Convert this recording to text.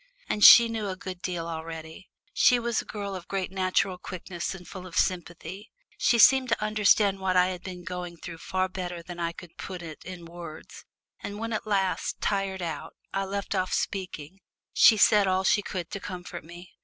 And she knew a good deal already. She was a girl of great natural quickness and full of sympathy. She seemed to understand what I had been going through far better than I could put it in words, and when at last, tired out, I left off speaking, she said all she could to comfort me.